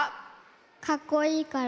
かっこいいから。